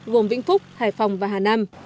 gồm vĩnh phúc hải phòng và hà nam